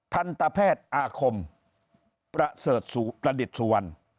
ทันตแพทย์อาคมประเสริฐสุวรรณ